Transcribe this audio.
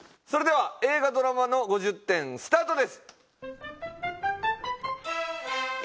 それでは映画・ドラマの５０点スタートです。